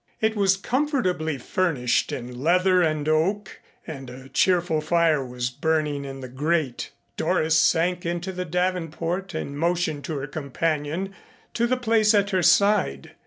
It was comfortably furnished in leather and oak and a cheerful fire was burning in the grate. Doris sank into the davenport and motioned to her companion to the place at her side.